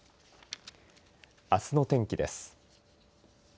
あすの天気です。